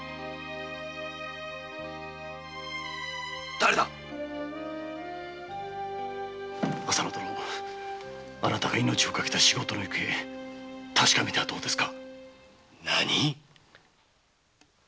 だれだ浅野殿あなたが命を賭けた仕事のゆくえ確かめてはどうですか？